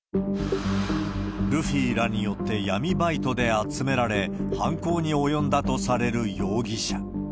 ルフィらによって闇バイトで集められ、犯行に及んだとされる容疑者。